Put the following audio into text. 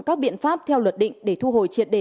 các biện pháp theo luật định để thu hồi triệt đề